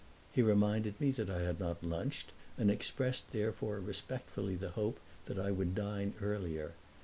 He reminded me that I had not lunched and expressed therefore respectfully the hope that I would dine earlier.